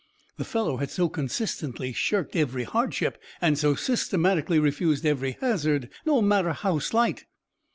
The fellow had so consistently shirked every hardship, and so systematically refused every hazard, no matter how slight!